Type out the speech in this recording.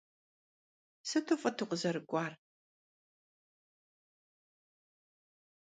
Sıtu f'ıt vukhızerık'uar.